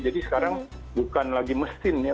jadi sekarang bukan lagi mesin ya